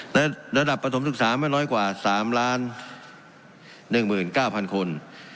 และระดับประถมศึกษาไม่น้อยกว่า๓๑๙๐๐คน